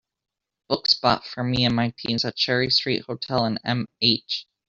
book spot for me and my teens at Cherry Street Hotel in MH